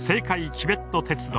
チベット鉄道。